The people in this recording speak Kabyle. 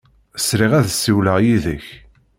Sriɣ ad ssiwleɣ yid-k.